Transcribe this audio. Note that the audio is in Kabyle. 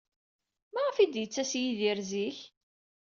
Maɣef ay d-yettas Yidir zik?